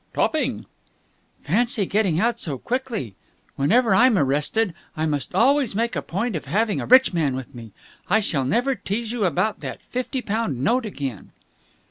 "Topping!" "Fancy getting out so quickly! Whenever I'm arrested, I must always make a point of having a rich man with me. I shall never tease you about that fifty pound note again."